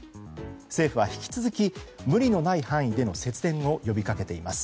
政府は引き続き無理のない範囲での節電を呼びかけています。